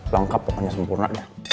lengkap pokoknya sempurna